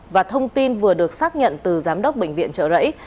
và thông tin vừa được xác nhận từ giám đốc bệnh viện trợ rẫy